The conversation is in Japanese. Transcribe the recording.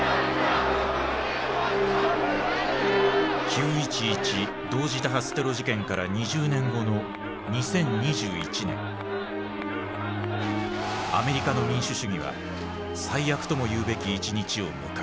９．１１同時多発テロ事件から２０年後の２０２１年アメリカの民主主義は最悪ともいうべき一日を迎える。